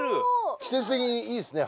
季節的にいいですね